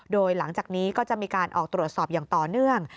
โดยหลังจากนี้ก็จะมีการออกตรวจสอบอย่างต่อเนื่อง